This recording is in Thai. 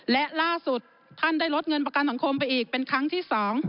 และล่าสุดท่านได้ลดเงินประกันสังคมไปอีกเป็นครั้งที่๒